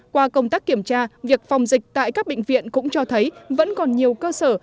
qua công tác kiểm tra việc phòng dịch tại các bệnh viện cũng cho thấy vẫn còn nhiều cơ sở